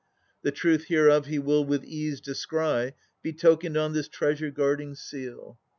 The truth hereof he will with ease descry Betokened on this treasure guarding seal.